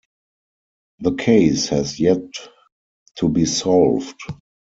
The case has yet to be solved.